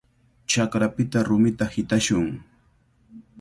Chakrapita rumita hitashun.